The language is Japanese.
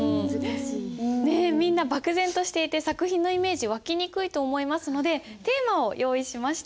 ねっみんな漠然としていて作品のイメージ湧きにくいと思いますのでテーマを用意しました。